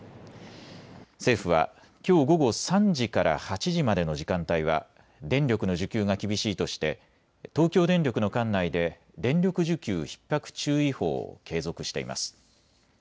政府はきょう午後３時から８時までの時間帯は電力の需給が厳しいとして東京電力の管内で電力需給ひっ迫注意報を継続しています。